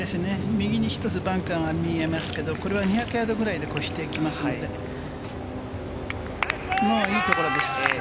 右に１つバンカーが見えますけれど、これは２００ヤードぐらいで、越していきますので、いいところです。